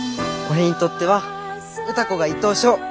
俺にとっては歌子が１等賞。